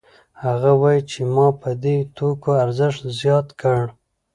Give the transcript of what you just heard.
هغه وايي چې ما په دې توکو ارزښت زیات کړ